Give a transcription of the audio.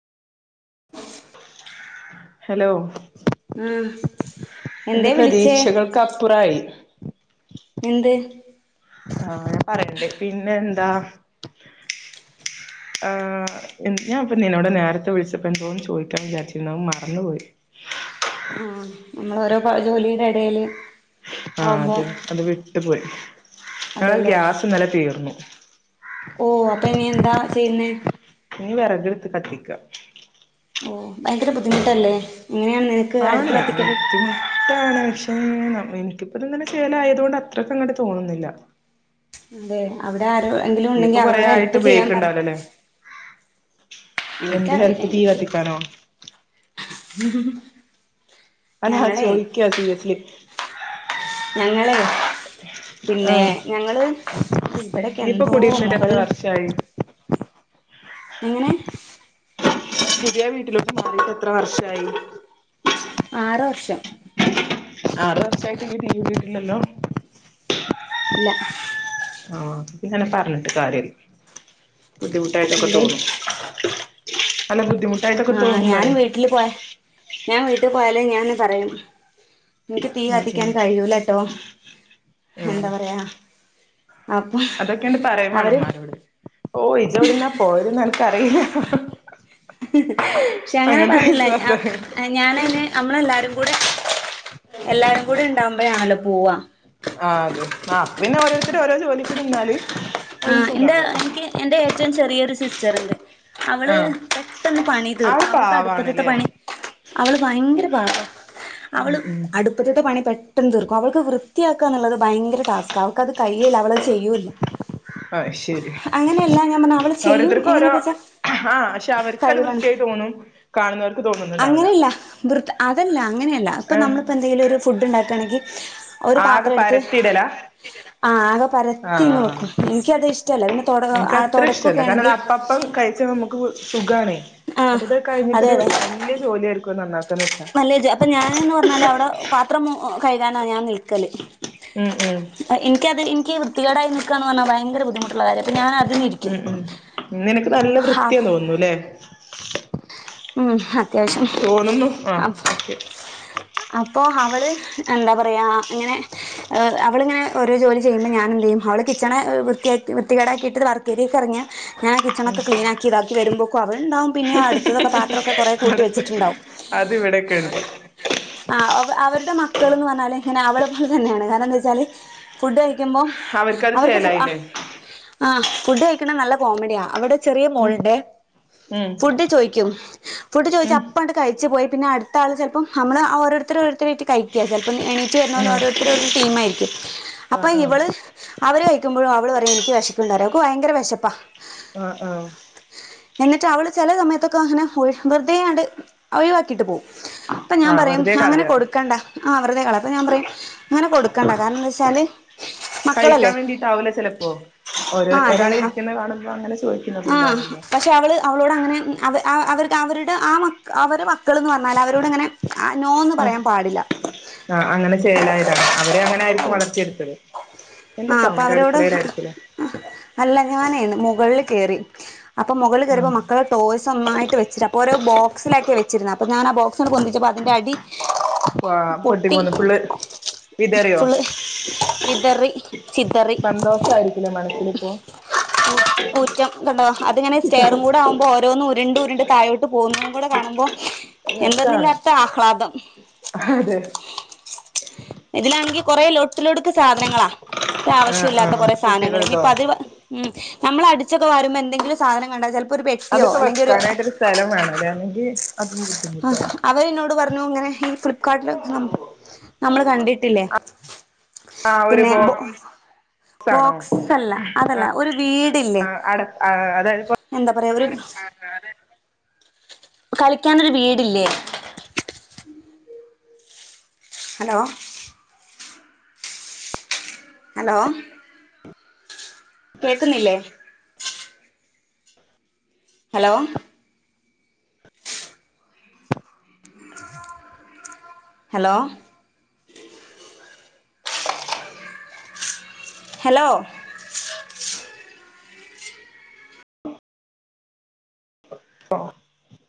[unintelligible] ആഹ് എന്തേ ഹലോഎന്റെ വിളിച്ചേ പ്രതീക്ഷകൾക്കപ്പുറമായി എന്ത് ആഹ്പറയണ്ട് പിന്നെയെന്താ.. ആഹ്... ഞാനിപ്പംനിന്നോടു നേരത്തെവിളിച്ചപ്പോളെന്തോന്നന്നുചോദിക്കാൻ വിചാരിച്ചിരുന്നതായങ്ങു മറന്നുപോയി ആഹ് നമ്മളോരോ ജോലിയുടെ ഇടയില് ആഹ് ആവുമ്പോ അതെ അതു വിട്ടു പോയി ങ്ങ അതേലോ ഗ്യാസിന്നലെ തീർന്നു. ഓ അപ്പൊയിനിയെന്താ ചെയ്യുന്നേ? ഇനി എറകെടുത്ത കത്തിക്ക ഓ ഭയങ്കര ബുദ്ധിമുട്ടല്ലേ എങ്ങനെയാണ് ആണ് അടുപ്പ് കത്തിക്കല് [inaudible] കാണുംപക്ഷേ എനിക്കിപ്പതന്നെ ചേലായതു കൊണ്ടു അത്രയ്ക്കങ്ങോട്ടു തോന്നുന്നില്ല. ഏ അവിടാരോ ഇയ്യ് ഇപ്പൊ എങ്കിലുണ്ടെങ്കില് കൊറേ ആയിട്ട് വരോടുഹെൽപ്പു ചെയ്യാൻ പറ ഉപയോഗിക്ക്ണ്ടാവൂലല്ലേ എന്ത് ഹെൽപ്പ് തീ എനിക്കറിയില്ലായെനിക്ക്. കത്തിക്കാനോ അതാ ചോയിക്കുവാസീരിയസ്സിലി ഞങ്ങളെ പിന്നെ ആഹ് ഞങ്ങള് ഇയ്യ് ഇപ്പൊ ഇവിടൊക്കെയെന്തോ കുടിയിരുന്നിട്ട് മുകളില് [unintelligible] എങ്ങനെ [inaudible] പുതിയവീട്ടിലോട്ടു മാറിയിട്ടെത്രവർഷമായി. ആറുവർഷം. ആറുവർഷായിട്ട് നീ തീ കൂട്ടിയിട്ടില്ലല്ലോ [inaudible] ഇല്ല. ആഹ് ഇതൊന്നും പറഞ്ഞിട്ടുകാര്യല്ല ബുദ്ധിമുട്ടായിട്ടൊക്കെ എന്തേ തോന്നു അല ആഹ് ഞാനു വീട്ടില് പോയേ ഞാൻ വീട്ടിൽപോയാലു ഞാൻ പറയും. എനിക്കുതീ ഉം കത്തിക്കാൻ ഉം കഴിയൂലാട്ടോ എന്താ പറയാ. അപ്പൊ അതൊക്കെയങ്ങ് അവരും പറയുംവേണമോനോട് ഓ ഇജോറെവിടുന്നാ പോയതെന്നറിയില്ല. പക്ഷേയങ്ങനെ പറയില്ലാ ഞ്ഞാ വിശ്വാസണ്ട് ഏ ഞാൻ അയിന് നമ്മളെല്ലാവരും കൂടെ എല്ലാവരു കൂടെയുണ്ടാകുമ്പോളാണല്ലോ പോവാ ആഹ് അതെ ആ പിന്നെയോരോരുത്തര് ഓരോ ജോലിക്കു നിന്നാല്. അത് ആഹ് എന്റെ സുഖാണല്ലോ എനിക്ക് എന്റെ ഏറ്റവും ചെറിയൊരു സിസ്റ്ററുണ്ട്. അവള് ആഹ് പെട്ടെന്നു പണി ആള് തീർക്കു അവൾക്കടുക്കളയിലത്തെ പാവാണ്ല്ലേ പണി. അവള് ഭയങ്കര പാവാ ഉം ഉം അടുപ്പത്ത്തെ പണി പെട്ടെന്നുതീർക്കു അവൾക്കു വൃത്തിയാക്കന്നുള്ളതു ഭയങ്കര ടാസ്കാ അവൾക്കതു കഴിയുല്ല അവളത് ചെയ്യൂല്ല ആഹ് ശരി അങ്ങനെയല്ല ഞാൻ പറഞ്ഞ അവള് ചെയ്യും ഓരോരുത്തർക്കൊരോ എങ്ങനെപ്പ വെച്ചാ ആഹ് ശേ അവർക്കതുവൃത്തിയായി തോന്നും. കാണുന്നവർക്കുതോന്നു അങ്ങനെയില്ല വൃ അതല്ല അങ്ങനെയല്ല ഇപ്പൊ ഏ നമ്മളിപ്പോ എന്തെങ്കിലും ഒരുഫുഡ് ഇണ്ടാക്കാണെങ്കി ആകെ ഒരുപാത്രടുത്ത് പരത്തിയിടല ആഹ് എനിക്കത് ഇഷ്ടല്ല പിന്നെ തൊട തൊടക്കൊക്കെ എനിക്കത്രയിക്കിഷ്ടല്ല കാരണം ആണെങ്കിൽ അത്അപ്പപ്പം കഴിച്ച മു മു സുഖാണേ ആ അതെ അതൊക്കെകഴിഞ്ഞിട്ടൊരു അതെ വലിയ ജോലിയെടുക്കു നന്നാക്കാന്നു വെച്ചാ അല്ലേജ അപ്പൊ ഞാനെന്നുപറഞ്ഞാല് അവിടെ പാത്രം കഴുകാനാ ഞാൻ നിൽക്കല് ഉം ഉം എനിക്കത്എനിക്കീ വൃത്തികേടായി നിൽക്ക പറഞ്ഞാ ഭയങ്ക ബുദ്ധിമുട്ടുള്ളകാര്യ അപ്പ ഞാനതി ഉം ഉം നിക്ക് നല്ലവൃത്തി തോന്നുന്നൂലേ. ഉം അത്യാവശ്യം തോന്നുന്നു ആ ആമ് ഓക്കെ അപ്പൊ അവള് എന്താ പറയാ ഇങ്ങനെ അവളങ്ങെ ഓരോ ചെയ്യുമ്പോ ഞ എന്തയ്യും അവള് കിച്ചണ വൃത്തി വൃത്തികേടാക്കിയിട്ടത് വർക്ക് തിയൊക്ക ഇറങ്ങിയ ഞാ കിച്ചണക്കെ ക്ലീക്കി ഇതാക്കി വരുമ്പോക്ക അവളണ്ടാവും പിന്നെ അട് ക്ക്ക്കെ പാത്രൊക്കെ കൊറ കൂട്ടി അടുത്ത് വെച്ചിട്ടുണ്ടാവും അത് ഇവിടെക്കെ ഉണ്ട് ഹ്‌ ആ അവരുടെ മക്കൾന്ന് പറഞ്ഞാലല് ഇങ്ങനെ അവളെ പോലെ തന്നെയാണ് കാരണം എന്താ വെച്ചാല് ഫുഡ് കഴിക്കുമ്പോ അവർക്കത് അവർക്ക് ചേലായില്ലേ ആ ഫുഡ് കഴിക്കണ നല്ല കോമഡിയാണ് അവിട ചെറിയ ഉം മോളിന്റെ ഉം ഫുഡ് ചോദിക്കും ഫുഡ് ചോദിച്ച ഉം അപ്പണ്ട് കഴച്ച് പോയി പിന്നെ അടുത്ത ആൾ ചിലപ്പോം നമ്മൾ ഓരോരുത്തരോരരുയിട്ട് കയി ക്കാ ചിലപ്പോ എണീറ്റ് വര ഉം ഓരോരുത്തര ഒരു ടീം ആയിരിക്കും അപ്പൊ ആഹ് ആഹ് ഇവള് അവര് കഴിക്കുമ്പോഴും അവള് പറ എനിക്ക് വെശക്കണ്ടാറിയു ഓൾക്ക് ഭയങ്കര വിശപ്പാ ആഹ് ആഹ് എന്നിട്ട് അവള് ചില സമയത്ത് അങ്ങനെ വെറുതെണ്ട് ഒഴിവാക്കിട്ട് പോകും. അപ്പം ഞാൻ ആഹ് പറയും വെറുതെ അങ്ങനെ കളയാ കൊടുക്കണ്ട ആഹ് അവറത കളെ അപ്പ ഞാൻ പറയും അങ്ങനെ കൊടുക്കണ്ട കാരണം എന്താ വെച്ചാൽ കഴിക്കാൻ വേണ്ടിട്ടാവില്ല ചിലപ്പോ? ആ ഒരാള അതെ ഇരിക്കുന്ന കാണുമ്പോൾ അങ്ങനെ ചോദിക്കുന്നക്കെ ഉണ്ടാവുമല്ലോ? പക്ഷേ അവൾ അവളോട് അങ്ങനെ അവ അവർക്ക് അവരുടെ ആഹ് മ അവർ മക്കളന്ന് പറന്നാൽ അവരോടങ്ങനെ ആഹ് നോന്ന് ഉം പറയാൻ പാടില്ല ആഹ് അങ്ങനെ ചെയ്യലായതാണ് അവരെ അങ്ങനായിരിക്കും വളർത്തിയെടുത്തത് എന്താ ആഹ് അപ്പൊ സൗണ്ട് അവരോട് അടുക്കളയുടെ ആയിരിക്കുംല്ലേ അല്ല ഞാനേന്ന് മുകളിൽ കേറി അപ്പൊ മുകളിൽ കേറിയപ്പൊ ആഹ് മക്കളെ ടോയ് നന്നായിട്ട് വച്ചിരുന്നു അപ്പോൾ ഒരു ബോസിലാക്കി വെച്ചിരുന്നു അപ്പോൾ ഞാ ആ ബോക്സിന കൊന്തിച്ചപ്പോൾ അതിൻ്റെ അടി- വാ പൊട്ടി- പോന്ന് ഫുള്ള് വിതറിയോ ഫുള് വിദറി ചിതറി- സന്തോഷായിരിക്കൂല്ലേ മനസ്സിലിപ്പോ ഊറ്റം കണ്ടോ അതിങ്ങനെ സ്റ്റേറും കൂടെ ആവുമ്പോ ഓരോന്നു രഉണ്ടുരിണ്ട് തഴോട്ട് പോകുന്നത് കൂടെ കാണുമ്പോ- രസാണ് എന്തെന്നില്ലാത്ത ആഹ്ലാദം- അതെ ഇതിലാണെങ്കിൽ കൊറെ ലൊട്ട് ലൊട്ക്ക് സാധനങ്ങളാ ഒരാവശ്യം ആഹ് ഇല്ലാത്ത ആഹ് കൊറെ സാധനങ്ങൾ ഇനി കുട്ടികൾതോ ഇപ്പ അത്- മം നമ്മൾ അടിച്ചൊക്കെ വരുമ്പോ എന്തെങ്കിലും സാധന കണ്ടാ ചെലപ്പോ ഒരു പെട്ടിയോ- അതൊക്കെ അല്ലെങ്കിൽ ഒരു വെക്കാനായിട്ടൊരു സ്ഥലം വേണല്ലേ അല്ലെങ്കി അതും ബുദ്ധിമുട്ടാണ് അവരിന്നോട് പറഞ്ഞു അങ്ങനെ- ഫ്ലിപ്കാർട്ടിൽ നമ്മള് കണ്ടിട്ടില്ലേ ആഹ് ഒരു പിന്നെ ബോക്സാണോ ബോക്സ്ല്ല അതല്ല ഒരു വീടില്ലേ ആഹ് അട അതായത് എന്താ പറയാ ഒര് കളിക്കാനൊരു വീടില്ലേ- ഹലോ ഹലോ കേൾക്കുന്നില്ലേ ഹലോ ഹലോ ഹലോ [inaudible]